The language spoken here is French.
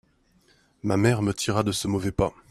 ma mère me tira de ce mauvais pas.